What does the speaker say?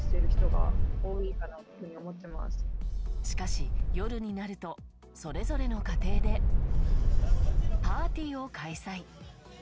しかし、夜になるとそれぞれの家庭でパーティーを開催。